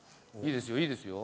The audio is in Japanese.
重いですよ。